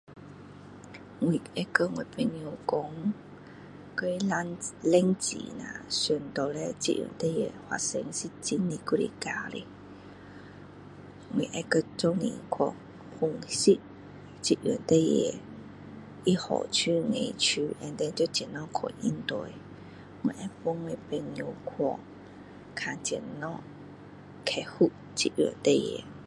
我會跟我朋友說叫他藍冷靜下想到底這事情發生是真的還是假的我會跟一起去證實這件事情他好處的要怎樣去應對我會幫我朋友去看怎樣克服這件事情